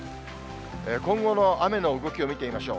今後の雨の動きを見てみましょう。